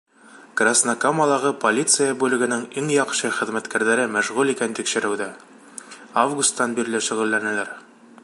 Краснокамалағы полиция бүлегенең иң яҡшы хеҙмәткәрҙәре мәшғүл икән тикшереүҙә, августан бирле шөғөлләнәләр.